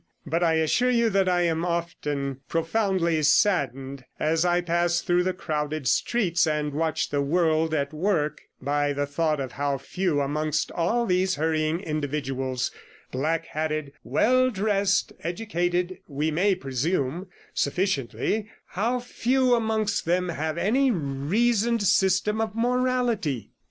But I assure you that I am often profoundly saddened, as I pass through the crowded streets and watch the world at work, by the thought of how few amongst all these hurrying individuals, black hatted, well dressed, educated we may presume sufficiently, how few amongst them have any reasoned system of morality.